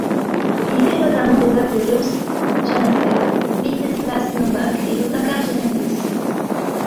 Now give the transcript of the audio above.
Il crée notamment des œuvres de Leoš Janáček, Vítězslav Novák et Otakar Jeremiáš.